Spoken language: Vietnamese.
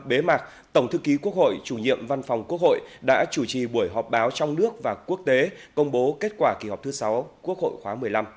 kỳ họp thứ sáu quốc hội khóa một mươi năm bế mạc tổng thư ký quốc hội chủ nhiệm văn phòng quốc hội đã chủ trì buổi họp báo trong nước và quốc tế công bố kết quả kỳ họp thứ sáu quốc hội khóa một mươi năm